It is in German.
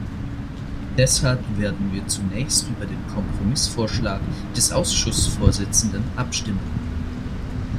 Deshalb werden wir zunächst über den Kompromissvorschlag des Ausschussvorsitzenden abstimmen.